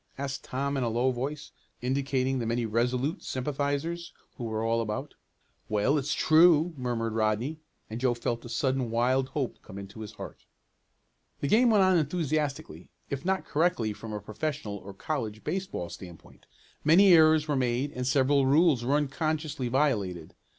asked Tom in a low voice, indicating the many Resolute sympathizers who were all about. "Well, it's true," murmured Rodney, and Joe felt a sudden wild hope come into his heart. The game went on enthusiastically, if not correctly from a professional or college baseball standpoint. Many errors were made and several rules were unconsciously violated.